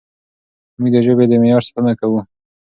موږ د ژبې د معیار ساتنه کوو.